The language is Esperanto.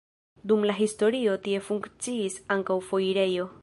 Dum la historio tie funkciis ankaŭ foirejo.